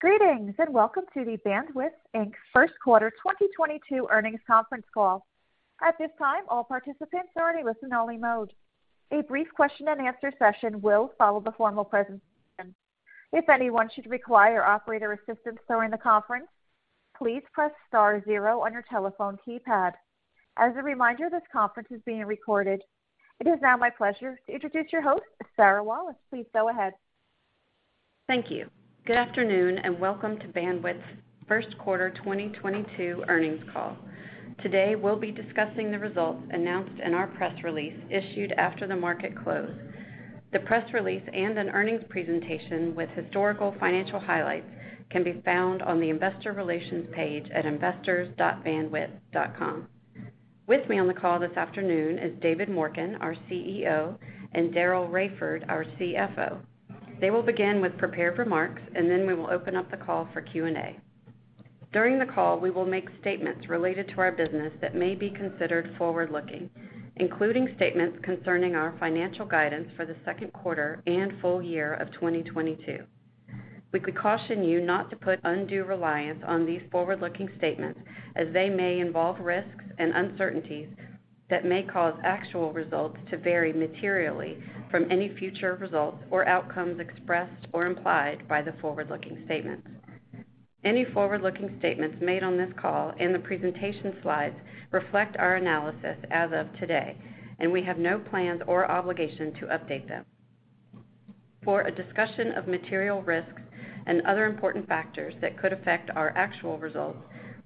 Greetings, and welcome to the Bandwidth Inc. Q1 2022 Earnings Conference Call. At this time, all participants are in a listen-only mode. A brief question-and-answer session will follow the formal presentation. If anyone should require operator assistance during the conference, please press star zero on your telephone keypad. As a reminder, this conference is being recorded. It is now my pleasure to introduce your host, Sarah Wallace. Please go ahead. Thank you. Good afternoon, and welcome to Bandwidth's Q1 2022 earnings call. Today, we'll be discussing the results announced in our press release issued after the market closed. The press release and an earnings presentation with historical financial highlights can be found on the investor relations page at investors.bandwidth.com. With me on the call this afternoon is David Morken, our CEO, and Daryl Raiford, our CFO. They will begin with prepared remarks, and then we will open up the call for Q&A. During the call, we will make statements related to our business that may be considered forward-looking, including statements concerning our financial guidance for the Q2 and full year of 2022. We could caution you not to put undue reliance on these forward-looking statements as they may involve risks and uncertainties that may cause actual results to vary materially from any future results or outcomes expressed or implied by the forward-looking statements. Any forward-looking statements made on this call and the presentation slides reflect our analysis as of today, and we have no plans or obligation to update them. For a discussion of material risks and other important factors that could affect our actual results,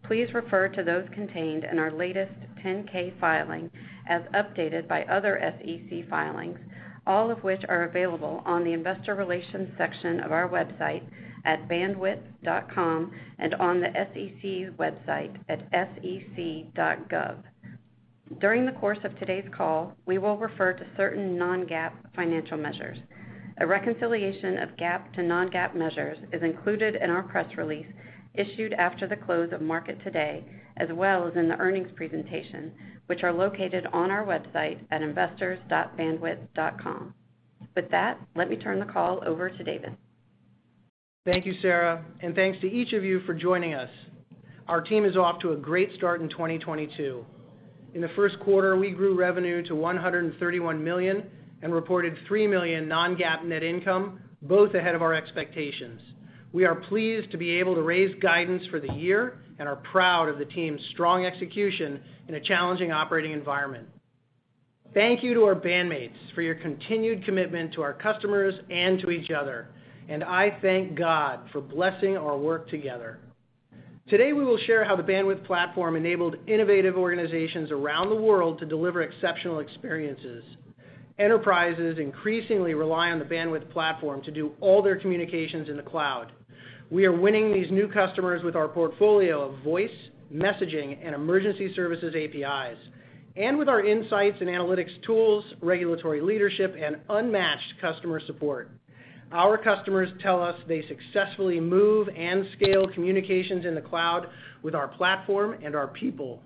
please refer to those contained in our latest 10-K filing as updated by other SEC filings, all of which are available on the investor relations section of our website at bandwidth.com and on the SEC website at sec.gov. During the course of today's call, we will refer to certain non-GAAP financial measures. A reconciliation of GAAP to non-GAAP measures is included in our press release issued after the close of market today, as well as in the earnings presentation, which are located on our website at investors.bandwidth.com. With that, let me turn the call over to David. Thank you, Sarah, and thanks to each of you for joining us. Our team is off to a great start in 2022. In the Q1, we grew revenue to $131 million and reported $3 million non-GAAP net income, both ahead of our expectations. We are pleased to be able to raise guidance for the year and are proud of the team's strong execution in a challenging operating environment. Thank you to our Bandmates for your continued commitment to our customers and to each other, and I thank God for blessing our work together. Today, we will share how the Bandwidth platform enabled innovative organizations around the world to deliver exceptional experiences. Enterprises increasingly rely on the Bandwidth platform to do all their communications in the cloud. We are winning these new customers with our portfolio of voice, messaging, and emergency services APIs, and with our insights and analytics tools, regulatory leadership, and unmatched customer support. Our customers tell us they successfully move and scale communications in the cloud with our platform and our people.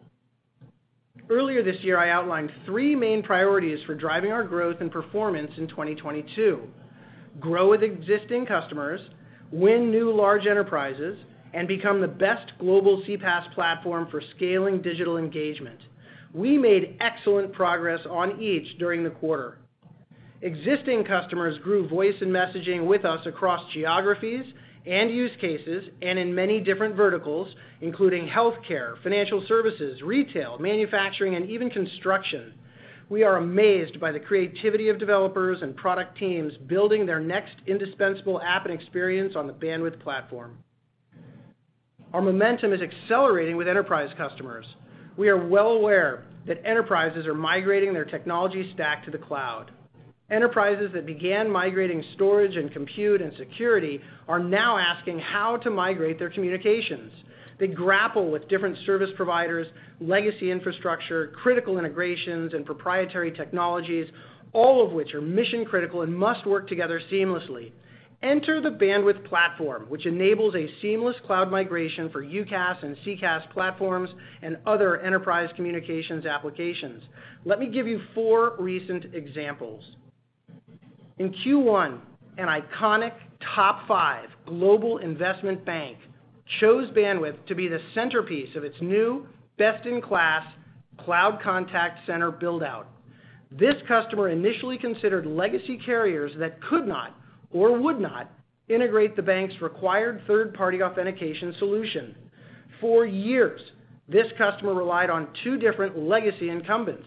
Earlier this year, I outlined three main priorities for driving our growth and performance in 2022. Grow with existing customers, win new large enterprises, and become the best global CPaaS platform for scaling digital engagement. We made excellent progress on each during the quarter. Existing customers grew voice and messaging with us across geographies and use cases and in many different verticals, including healthcare, financial services, retail, manufacturing, and even construction. We are amazed by the creativity of developers and product teams building their next indispensable app and experience on the Bandwidth platform. Our momentum is accelerating with enterprise customers. We are well aware that enterprises are migrating their technology stack to the cloud. Enterprises that began migrating storage and compute and security are now asking how to migrate their communications. They grapple with different service providers, legacy infrastructure, critical integrations, and proprietary technologies, all of which are mission-critical and must work together seamlessly. Enter the Bandwidth platform, which enables a seamless cloud migration for UCaaS and CCaaS platforms and other enterprise communications applications. Let me give you four recent examples. In Q1, an iconic top five global investment bank chose Bandwidth to be the centerpiece of its new best-in-class cloud contact center build-out. This customer initially considered legacy carriers that could not or would not integrate the bank's required third-party authentication solution. For years, this customer relied on two different legacy incumbents.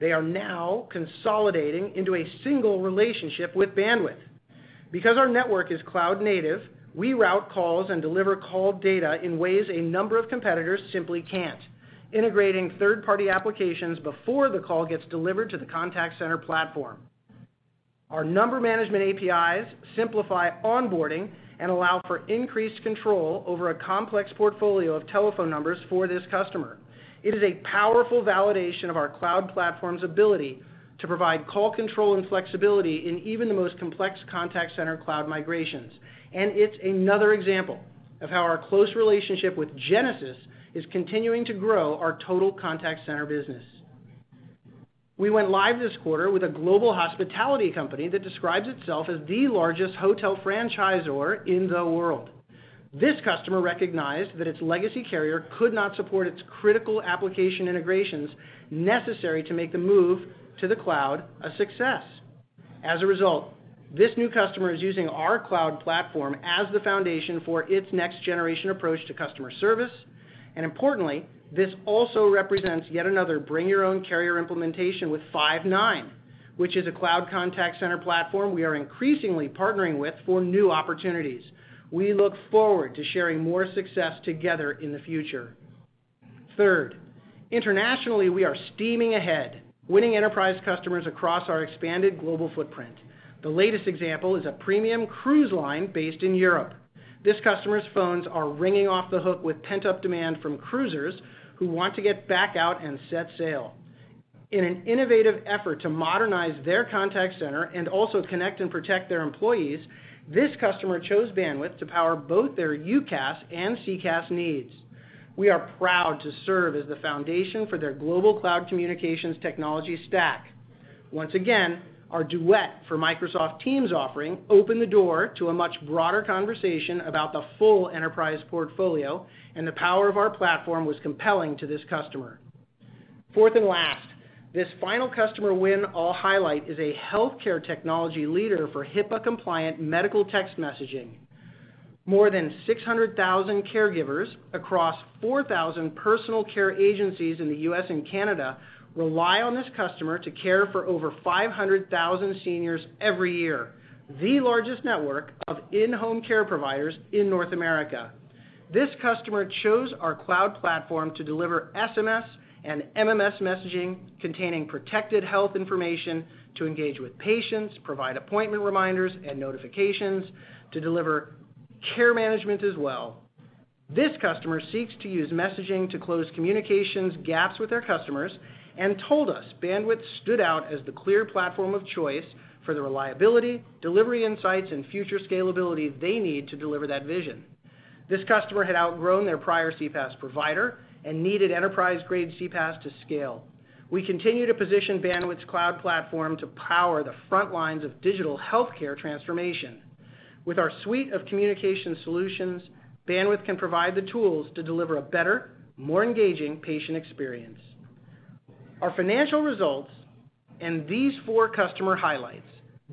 They are now consolidating into a single relationship with Bandwidth. Because our network is cloud native, we route calls and deliver call data in ways a number of competitors simply can't, integrating third-party applications before the call gets delivered to the contact center platform. Our number management APIs simplify onboarding and allow for increased control over a complex portfolio of telephone numbers for this customer. It is a powerful validation of our cloud platform's ability to provide call control and flexibility in even the most complex contact center cloud migrations, and it's another example of how our close relationship with Genesys is continuing to grow our total contact center business. We went live this quarter with a global hospitality company that describes itself as the largest hotel franchisor in the world. This customer recognized that its legacy carrier could not support its critical application integrations necessary to make the move to the cloud a success. As a result, this new customer is using our cloud platform as the foundation for its next generation approach to customer service. Importantly, this also represents yet another bring-your-own-carrier implementation with Five9, which is a cloud contact center platform we are increasingly partnering with for new opportunities. We look forward to sharing more success together in the future. Third, internationally, we are steaming ahead, winning enterprise customers across our expanded global footprint. \The latest example is a premium cruise line based in Europe. This customer's phones are ringing off the hook with pent-up demand from cruisers who want to get back out and set sail. In an innovative effort to modernize their contact center and also connect and protect their employees, this customer chose Bandwidth to power both their UCaaS and CCaaS needs. We are proud to serve as the foundation for their global cloud communications technology stack. Once again, our Duet for Microsoft Teams offering opened the door to a much broader conversation about the full enterprise portfolio, and the power of our platform was compelling to this customer. Fourth and last, this final customer win I'll highlight is a healthcare technology leader for HIPAA-compliant medical text messaging. More than 600,000 caregivers across 4,000 personal care agencies in the U.S. and Canada rely on this customer to care for over 500,000 seniors every year, the largest network of in-home care providers in North America. This customer chose our cloud platform to deliver SMS and MMS messaging containing protected health information to engage with patients, provide appointment reminders and notifications, to deliver care management as well. This customer seeks to use messaging to close communications gaps with their customers and told us Bandwidth stood out as the clear platform of choice for the reliability, delivery insights, and future scalability they need to deliver that vision. This customer had outgrown their prior CPaaS provider and needed enterprise-grade CPaaS to scale. We continue to position Bandwidth's cloud platform to power the front lines of digital healthcare transformation. With our suite of communication solutions, Bandwidth can provide the tools to deliver a better, more engaging patient experience. Our financial results and these four customer highlights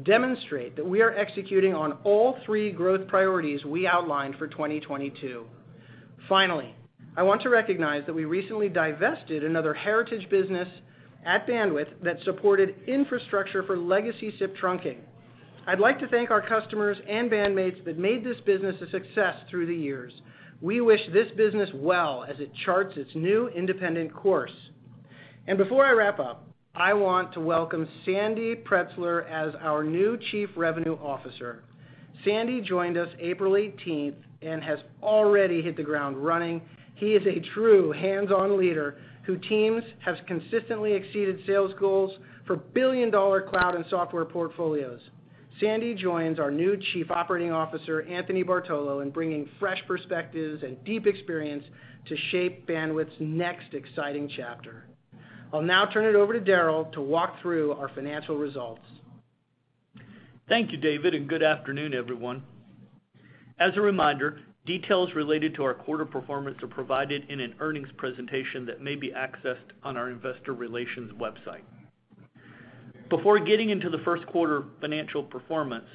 demonstrate that we are executing on all three growth priorities we outlined for 2022. Finally, I want to recognize that we recently divested another heritage business at Bandwidth that supported infrastructure for legacy SIP trunking. I'd like to thank our customers and BandMates that made this business a success through the years. We wish this business well as it charts its new independent course. Before I wrap up, I want to welcome Sandy Preizler as our new Chief Revenue Officer. Sandy joined us April eighteenth and has already hit the ground running. He is a true hands-on leader whose teams have consistently exceeded sales goals for billion-dollar cloud and software portfolios. Sandy joins our new Chief Operating Officer, Anthony Bartolo, in bringing fresh perspectives and deep experience to shape Bandwidth's next exciting chapter. I'll now turn it over to Daryl to walk through our financial results. Thank you, David, and good afternoon, everyone. As a reminder, details related to our quarter performance are provided in an earnings presentation that may be accessed on our investor relations website. Before getting into the Q1 financial performance,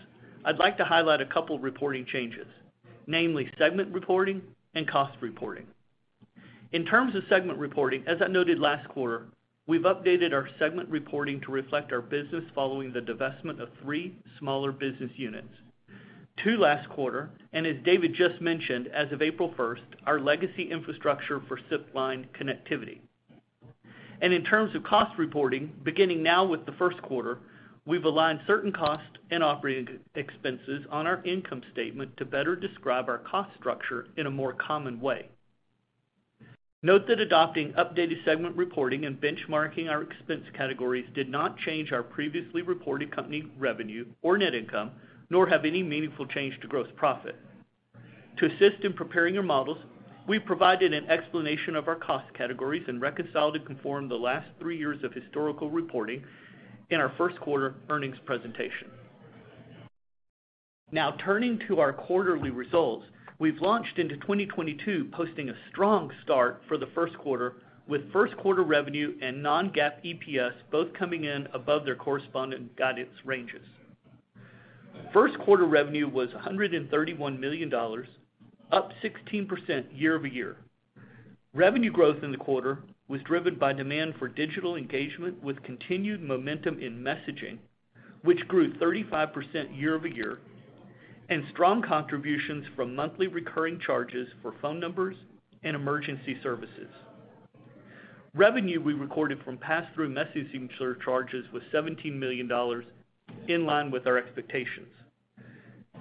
I'd like to highlight a couple reporting changes, namely segment reporting and cost reporting. In terms of segment reporting, as I noted last quarter, we've updated our segment reporting to reflect our business following the divestment of three smaller business units, two last quarter, and as David just mentioned, as of April first, our legacy infrastructure for SIP line connectivity. In terms of cost reporting, beginning now with the Q1, we've aligned certain costs and operating expenses on our income statement to better describe our cost structure in a more common way. Note that adopting updated segment reporting and benchmarking our expense categories did not change our previously reported company revenue or net income, nor have any meaningful change to gross profit. To assist in preparing your models, we provided an explanation of our cost categories and reconciled and conformed the last three years of historical reporting in our Q1 earnings presentation. Now turning to our quarterly results, we've launched into 2022 posting a strong start for the Q1, with Q1 revenue and non-GAAP EPS both coming in above their corresponding guidance ranges. Q1 revenue was $131 million, up 16% year-over-year. Revenue growth in the quarter was driven by demand for digital engagement with continued momentum in messaging, which grew 35% year-over-year, and strong contributions from monthly recurring charges for phone numbers and emergency services. Revenue we recorded from pass-through messaging surcharges was $17 million, in line with our expectations.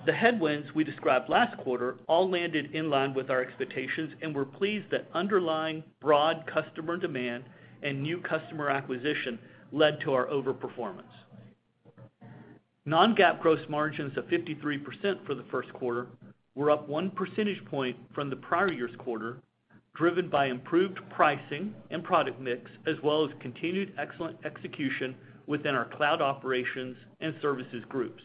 The headwinds we described last quarter all landed in line with our expectations, and we're pleased that underlying broad customer demand and new customer acquisition led to our over performance. Non-GAAP gross margins of 53% for the Q1 were up one percentage point from the prior year's quarter, driven by improved pricing and product mix, as well as continued excellent execution within our cloud operations and services groups.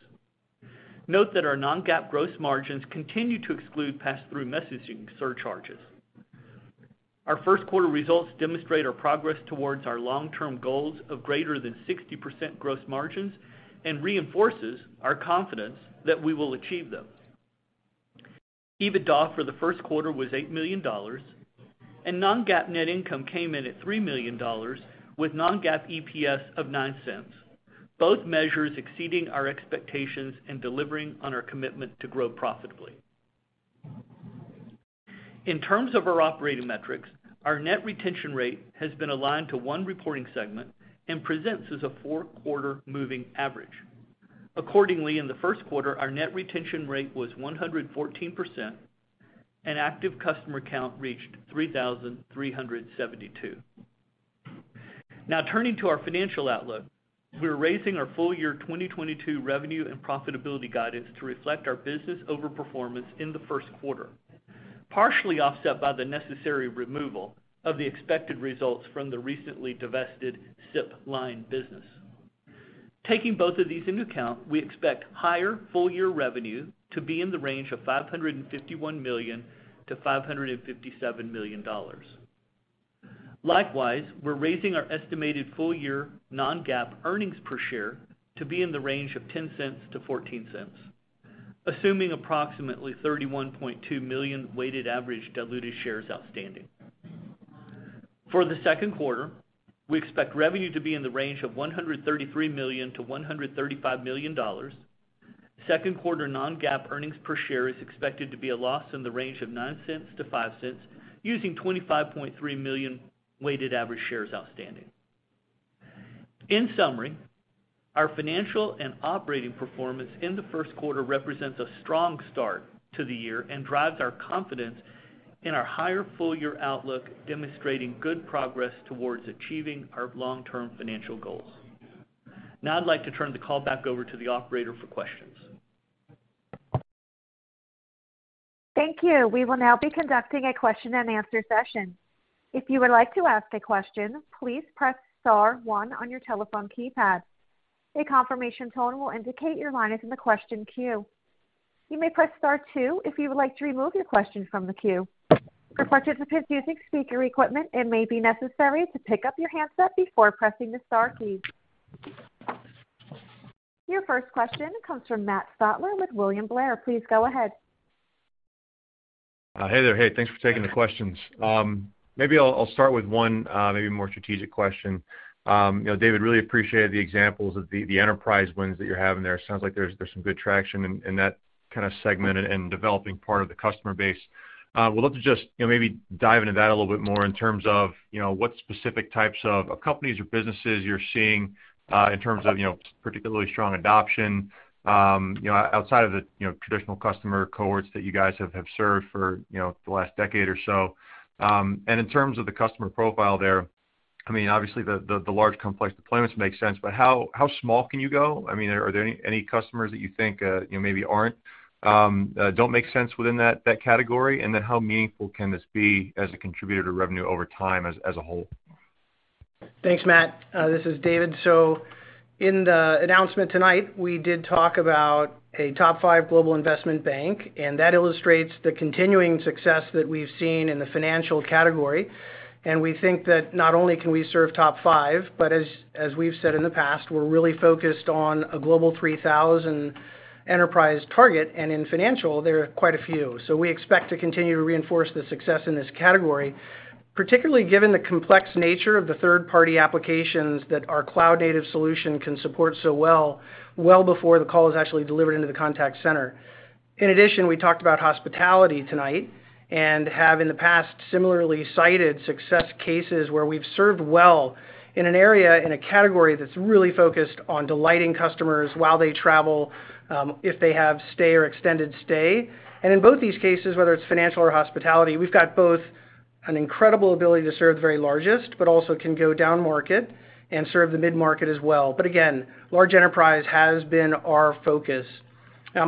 Note that our non-GAAP gross margins continue to exclude pass-through messaging surcharges. Our Q1 results demonstrate our progress towards our long-term goals of greater than 60% gross margins and reinforces our confidence that we will achieve them. EBITDA for the Q1 was $8 million, and non-GAAP net income came in at $3 million with non-GAAP EPS of $0.09, both measures exceeding our expectations and delivering on our commitment to grow profitably. In terms of our operating metrics, our net retention rate has been aligned to 1 reporting segment and presents as a 4-quarter moving average. Accordingly, in the Q1, our net retention rate was 114%, and active customer count reached 3,372. Now turning to our financial outlook. We're raising our full year 2022 revenue and profitability guidance to reflect our business overperformance in the Q1, partially offset by the necessary removal of the expected results from the recently divested SIP line business. Taking both of these into account, we expect higher full-year revenue to be in the range of $551 million-$557 million. Likewise, we're raising our estimated full-year non-GAAP earnings per share to be in the range of $0.10-$0.14, assuming approximately 31.2 million weighted average diluted shares outstanding. For the Q2, we expect revenue to be in the range of $133 million-$135 million. Q2 non-GAAP earnings per share is expected to be a loss in the range of -$0.09 to -$0.05, using 25.3 million weighted average shares outstanding. In summary, our financial and operating performance in the Q1 represents a strong start to the year and drives our confidence in our higher full-year outlook, demonstrating good progress towards achieving our long-term financial goals. Now I'd like to turn the call back over to the operator for questions. Thank you. We will now be conducting a question-and-answer session. If you would like to ask a question, please press star one on your telephone keypad. A confirmation tone will indicate your line is in the question queue. You may press star two if you would like to remove your question from the queue. For participants using speaker equipment, it may be necessary to pick up your handset before pressing the star key. Your first question comes from Matthew Stotler with William Blair. Please go ahead. Hey there. Hey, thanks for taking the questions. Maybe I'll start with one, maybe more strategic question. You know, David, really appreciated the examples of the enterprise wins that you're having there. Sounds like there's some good traction in that kind of segment and developing part of the customer base. Would love to just, you know, maybe dive into that a little bit more in terms of, you know, what specific types of companies or businesses you're seeing, in terms of, you know, particularly strong adoption, you know, outside of the, you know, traditional customer cohorts that you guys have served for, you know, the last decade or so. In terms of the customer profile there, I mean, obviously the large complex deployments make sense, but how small can you go? I mean, are there any customers that you think, you know, maybe don't make sense within that category? Then how meaningful can this be as a contributor to revenue over time as a whole? Thanks, Matt. This is David. In the announcement tonight, we did talk about a top five global investment bank, and that illustrates the continuing success that we've seen in the financial category. We think that not only can we serve top five, but as we've said in the past, we're really focused on a global three thousand enterprise target. In financial, there are quite a few. We expect to continue to reinforce the success in this category, particularly given the complex nature of the third-party applications that our cloud-native solution can support so well before the call is actually delivered into the contact center. In addition, we talked about hospitality tonight and have in the past similarly cited success cases where we've served well in an area, in a category that's really focused on delighting customers while they travel, if they have stay or extended stay. In both these cases, whether it's financial or hospitality, we've got both an incredible ability to serve the very largest, but also can go down market and serve the mid-market as well. Again, large enterprise has been our focus.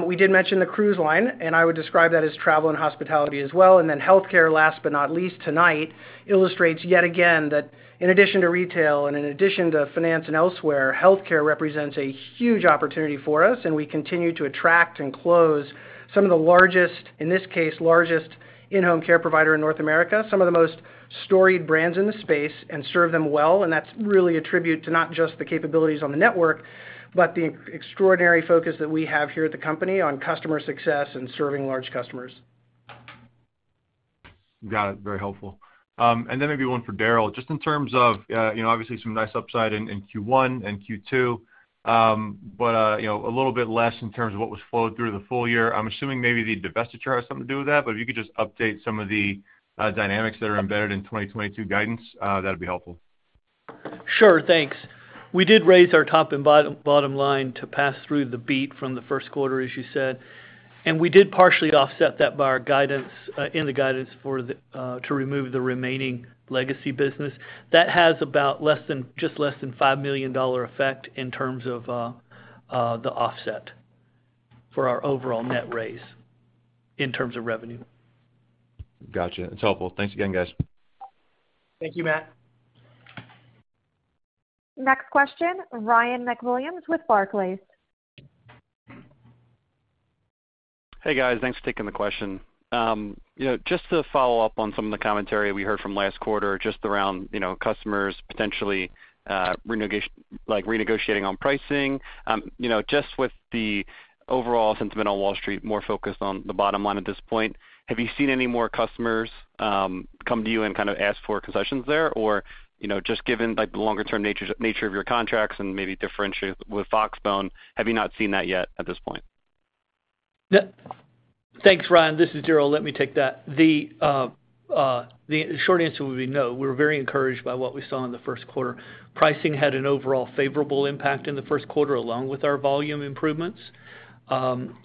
We did mention the cruise line, and I would describe that as travel and hospitality as well. Healthcare, last but not least tonight, illustrates yet again that in addition to retail and in addition to finance and elsewhere, healthcare represents a huge opportunity for us, and we continue to attract and close some of the largest, in this case, largest in-home care provider in North America, some of the most storied brands in the space and serve them well. That's really a tribute to not just the capabilities on the network, but the extraordinary focus that we have here at the company on customer success and serving large customers. Got it. Very helpful. Maybe one for Daryl, just in terms of, you know, obviously some nice upside in Q1 and Q2. You know, a little bit less in terms of what was flowed through the full year. I'm assuming maybe the divestiture has something to do with that. If you could just update some of the dynamics that are embedded in 2022 guidance, that'd be helpful. Sure. Thanks. We did raise our top and bottom line to pass through the beat from the Q1, as you said. We did partially offset that by our guidance in the guidance to remove the remaining legacy business. That has just less than $5 million effect in terms of the offset for our overall net raise in terms of revenue. Gotcha. It's helpful. Thanks again, guys. Thank you, Matt. Next question, Ryan MacWilliams with Barclays. Hey, guys. Thanks for taking the question. You know, just to follow up on some of the commentary we heard from last quarter, just around, you know, customers potentially renegotiating on pricing, you know, just with the overall sentiment on Wall Street more focused on the bottom line at this point, have you seen any more customers come to you and kind of ask for concessions there? Or, you know, just given, like, the longer-term nature of your contracts and maybe differentiate with Voxbone, have you not seen that yet at this point? Yeah. Thanks, Ryan. This is Daryl Raiford. Let me take that. The short answer would be no. We're very encouraged by what we saw in the Q1. Pricing had an overall favorable impact in the Q1, along with our volume improvements.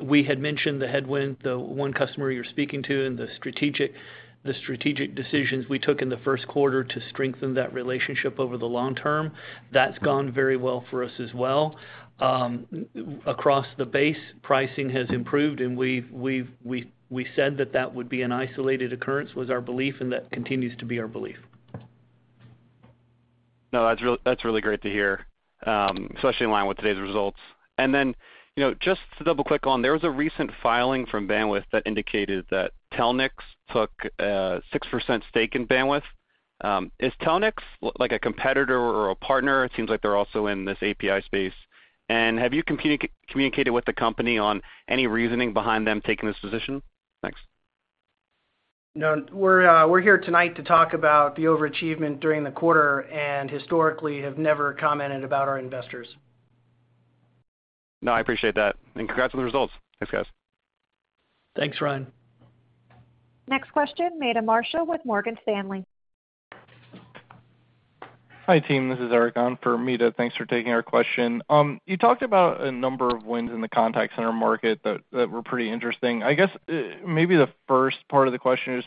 We had mentioned the headwind, the one customer you're speaking to and the strategic decisions we took in the Q1 to strengthen that relationship over the long term. That's gone very well for us as well. Across the base, pricing has improved, and we've said that would be an isolated occurrence, was our belief, and that continues to be our belief. No, that's really great to hear, especially in line with today's results. Then, you know, just to double-click on, there was a recent filing from Bandwidth that indicated that Telnyx took a 6% stake in Bandwidth. Is Telnyx, like, a competitor or a partner? It seems like they're also in this API space. Have you communicated with the company on any reasoning behind them taking this position? Thanks. No. We're here tonight to talk about the overachievement during the quarter, and historically have never commented about our investors. No, I appreciate that, and congrats on the results. Thanks, guys. Thanks, Ryan. Next question, Meta Marshall with Morgan Stanley. Hi, team. This is Eric on for Meta. Thanks for taking our question. You talked about a number of wins in the contact center market that were pretty interesting. I guess, maybe the first part of the question is,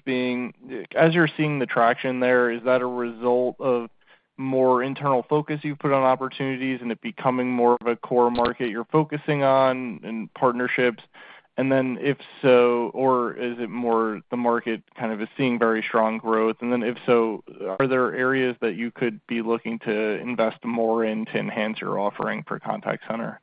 as you're seeing the traction there, is that a result of more internal focus you've put on opportunities and it becoming more of a core market you're focusing on and partnerships? If so, or is it more the market kind of is seeing very strong growth? If so, are there areas that you could be looking to invest more in to enhance your offering for contact center?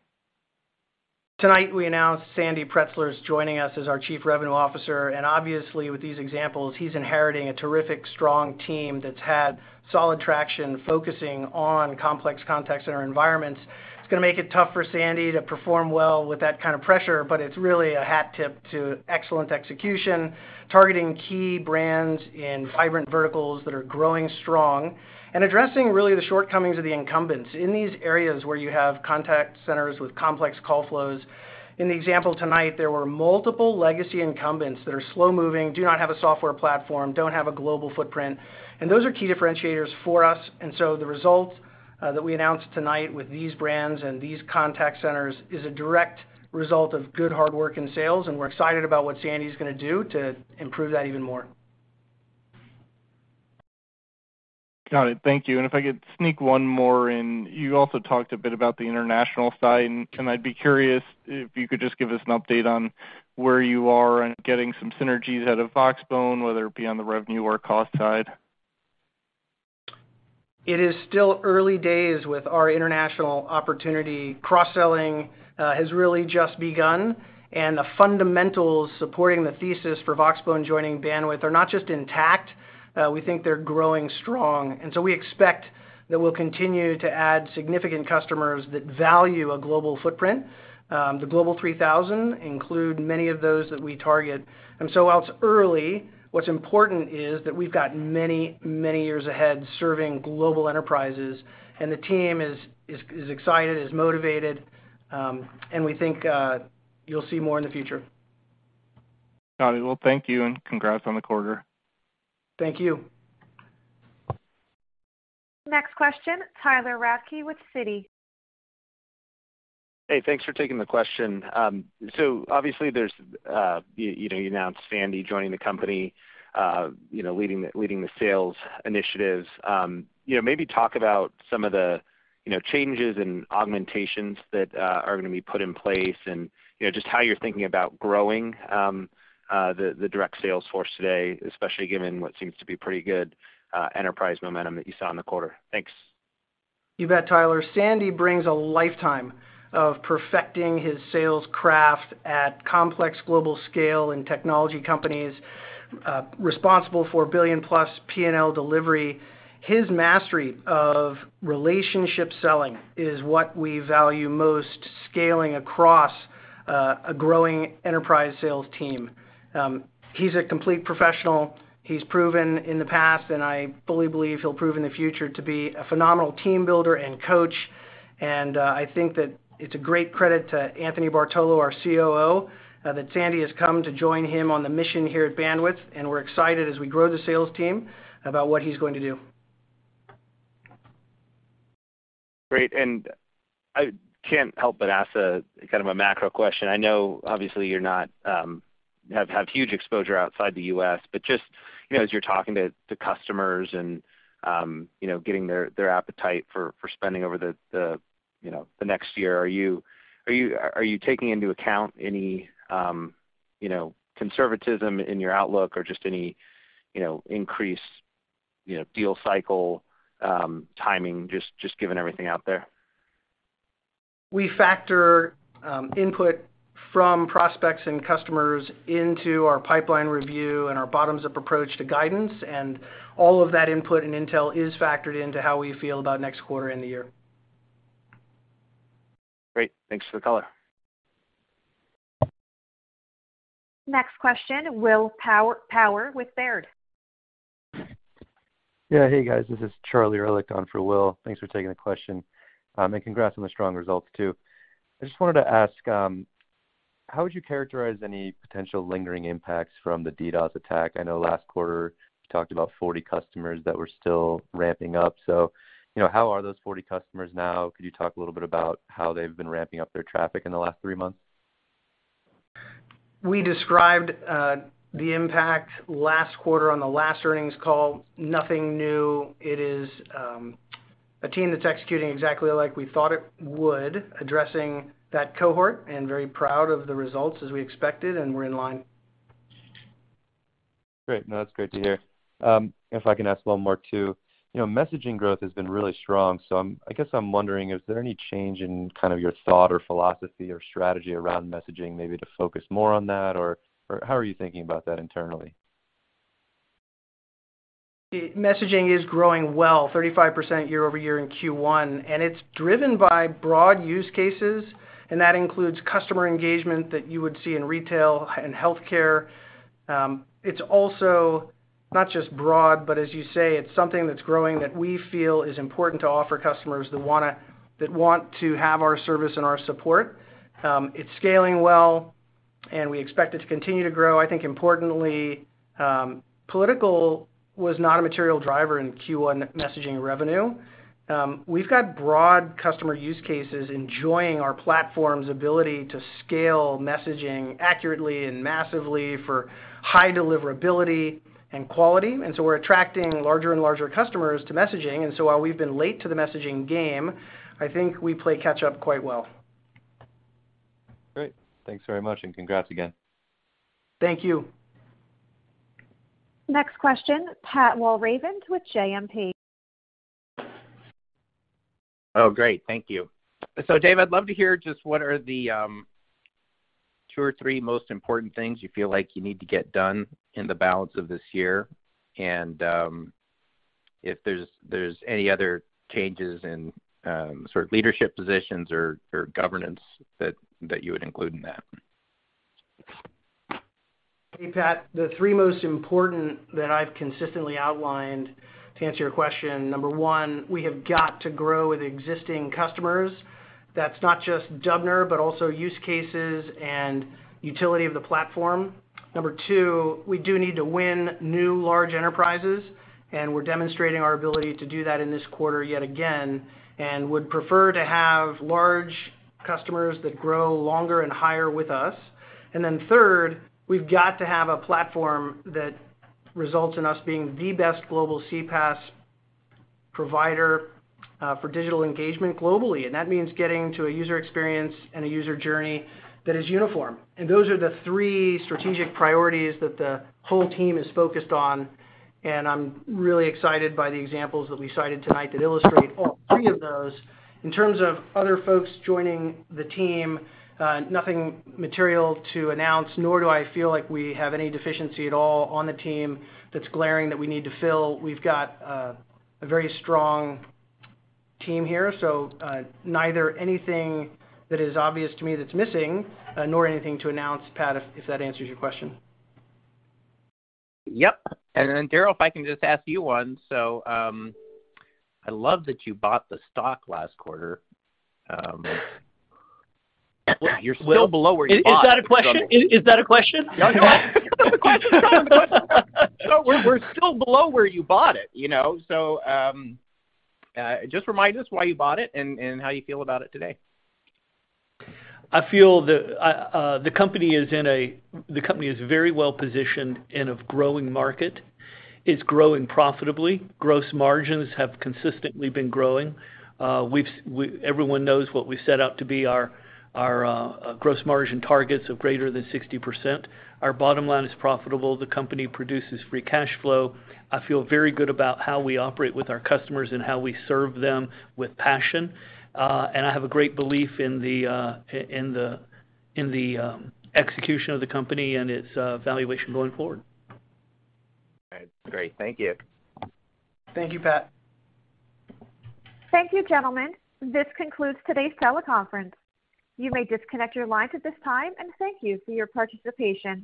Tonight, we announced Sandy Preizler's joining us as our Chief Revenue Officer, and obviously, with these examples, he's inheriting a terrific, strong team that's had solid traction focusing on complex contact center environments. It's going to make it tough for Sandy to perform well with that kind of pressure, but it's really a hat tip to excellent execution, targeting key brands in vibrant verticals that are growing strong and addressing really the shortcomings of the incumbents in these areas where you have contact centers with complex call flows. In the example tonight, there were multiple legacy incumbents that are slow-moving, do not have a software platform, don't have a global footprint, and those are key differentiators for us. The results that we announced tonight with these brands and these contact centers is a direct result of good, hard work in sales, and we're excited about what Sandy's going to do to improve that even more. Got it. Thank you. If I could sneak one more in. You also talked a bit about the international side, and I'd be curious if you could just give us an update on where you are in getting some synergies out of Voxbone, whether it be on the revenue or cost side. It is still early days with our international opportunity. Cross-selling has really just begun, and the fundamentals supporting the thesis for Voxbone joining Bandwidth are not just intact, we think they're growing strong. We expect that we'll continue to add significant customers that value a global footprint. The Global 2000 include many of those that we target. While it's early, what's important is that we've got many, many years ahead serving global enterprises, and the team is excited and motivated, and we think you'll see more in the future. Got it. Well, thank you, and congrats on the quarter. Thank you. Next question, Tyler Radke with Citi. Hey, thanks for taking the question. So obviously, you know, you announced Sandy joining the company, you know, leading the sales initiatives. You know, maybe talk about some of the, you know, changes and augmentations that are going to be put in place and, you know, just how you're thinking about growing the direct sales force today, especially given what seems to be pretty good enterprise momentum that you saw in the quarter. Thanks. You bet, Tyler. Sandy brings a lifetime of perfecting his sales craft at complex global scale in technology companies, responsible for a billion-plus P&L delivery. His mastery of relationship selling is what we value most, scaling across a growing enterprise sales team. He's a complete professional. He's proven in the past, and I fully believe he'll prove in the future to be a phenomenal team builder and coach. I think that it's a great credit to Anthony Bartolo, our COO, that Sandy has come to join him on the mission here at Bandwidth, and we're excited as we grow the sales team about what he's going to do. Great. I can't help but ask a kind of a macro question. I know, obviously, you don't have huge exposure outside the U.S., but just, you know, as you're talking to customers and, you know, getting their appetite for spending over the you know the next year, are you taking into account any, you know, conservatism in your outlook or just any, you know, increased you know deal cycle timing, just given everything out there? We factor input from prospects and customers into our pipeline review and our bottoms-up approach to guidance, and all of that input and intel is factored into how we feel about next quarter and the year. Great. Thanks for the color. Next question, William Power with Baird. Yeah. Hey, guys, this is Charlie Erlikh on for Will. Thanks for taking the question. Congrats on the strong results too. I just wanted to ask, how would you characterize any potential lingering impacts from the DDoS attack? I know last quarter you talked about 40 customers that were still ramping up, so, you know, how are those 40 customers now? Could you talk a little bit about how they've been ramping up their traffic in the last three months? We described the impact last quarter on the last earnings call. Nothing new. It is a team that's executing exactly like we thought it would, addressing that cohort, and very proud of the results as we expected, and we're in line. Great. No, that's great to hear. If I can ask one more too. You know, messaging growth has been really strong, so I guess I'm wondering, is there any change in kind of your thought or philosophy or strategy around messaging maybe to focus more on that, or how are you thinking about that internally? Messaging is growing well, 35% year over year in Q1, and it's driven by broad use cases, and that includes customer engagement that you would see in retail and healthcare. It's also not just broad, but as you say, it's something that's growing that we feel is important to offer customers that want to have our service and our support. It's scaling well, and we expect it to continue to grow. I think importantly, political was not a material driver in Q1 messaging revenue. We've got broad customer use cases enjoying our platform's ability to scale messaging accurately and massively for high deliverability and quality. We're attracting larger and larger customers to messaging. While we've been late to the messaging game, I think we play catch up quite well. Great. Thanks very much, and congrats again. Thank you. Next question, Pat Walravens with JMP. Oh, great. Thank you. Dave, I'd love to hear just what are the two or three most important things you feel like you need to get done in the balance of this year and if there's any other changes in sort of leadership positions or governance that you would include in that. Hey, Pat. The three most important that I've consistently outlined, to answer your question, number one, we have got to grow with existing customers. That's not just up-sell, but also use cases and utility of the platform. Number two, we do need to win new large enterprises, and we're demonstrating our ability to do that in this quarter yet again and would prefer to have large customers that grow longer and higher with us. Third, we've got to have a platform that results in us being the best global CPaaS provider for digital engagement globally. That means getting to a user experience and a user journey that is uniform. Those are the three strategic priorities that the whole team is focused on, and I'm really excited by the examples that we cited tonight that illustrate all three of those. In terms of other folks joining the team, nothing material to announce, nor do I feel like we have any deficiency at all on the team that's glaring that we need to fill. We've got a very strong team here. Neither anything that is obvious to me that's missing nor anything to announce, Pat, if that answers your question. Yep. Daryl, if I can just ask you one. I love that you bought the stock last quarter. You're still below where you bought it. Is that a question? No, no. We're still below where you bought it, you know. Just remind us why you bought it and how you feel about it today. I feel the company is very well positioned in a growing market. It's growing profitably. Gross margins have consistently been growing. Everyone knows what we set out to be our gross margin targets of greater than 60%. Our bottom line is profitable. The company produces free cash flow. I feel very good about how we operate with our customers and how we serve them with passion. I have a great belief in the execution of the company and its valuation going forward. All right. Great. Thank you. Thank you, Pat. Thank you, gentlemen. This concludes today's teleconference. You may disconnect your lines at this time, and thank you for your participation.